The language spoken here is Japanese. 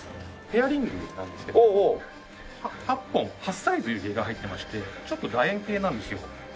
ペアリングなんですけど８本８サイズ指輪が入ってましてちょっと楕円形なんですよ。